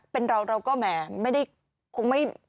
เป็นเราเราก็แหมไม่ได้